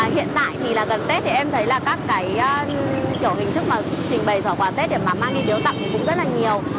hiện tại thì gần tết thì em thấy là các cái kiểu hình thức trình bày giỏ quà tết để mà mang đi tiếu tặng cũng rất là nhiều